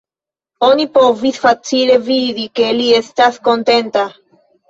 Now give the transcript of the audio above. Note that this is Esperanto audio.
Oni povis facile vidi, ke li estas kontenta.